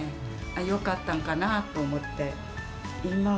よかったんかなと思って。